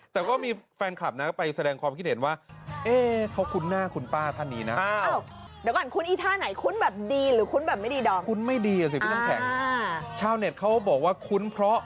แต่ก็มีแฟนคลับนะไปแสดงความคิดเห็นว่าเขาคุ้นหน้าคุณป้าท่านนี้นะ